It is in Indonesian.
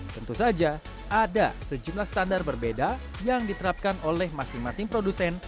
tentu saja ada sejumlah standar berbeda yang diterapkan oleh masing masing produsen